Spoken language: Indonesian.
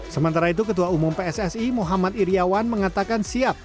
sementara itu ketua umum pssi muhammad iryawan mengatakan siap